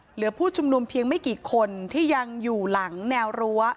ผู้ชุมนุมเพียงไม่กี่คนที่ยังอยู่หลังแนวรั้ว